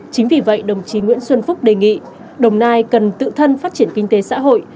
chính vì vậy đồng chí nguyễn xuân phúc đề nghị đồng nai cần tự thân phát triển kinh tế xã hội